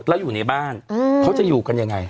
แล้วอยู่ในบ้านเขาจะอยู่กันยังไง